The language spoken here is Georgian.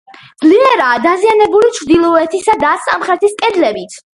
ძლიერაა დაზიანებული ჩრდილოეთისა და სამხრეთის კედლებიც.